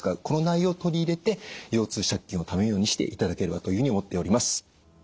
この内容を取り入れて腰痛借金をためないようにしていただければというふうに思っております。